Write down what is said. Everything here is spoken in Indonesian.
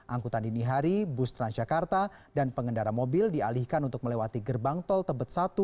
angkutan dini hari bus transjakarta dan pengendara mobil dialihkan untuk melewati gerbang tol tebet satu